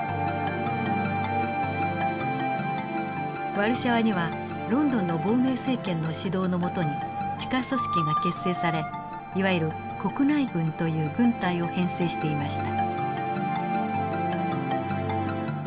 ワルシャワにはロンドンの亡命政権の指導の下に地下組織が結成されいわゆる国内軍という軍隊を編成していました。